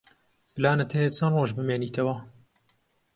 پلانت هەیە چەند ڕۆژ بمێنیتەوە؟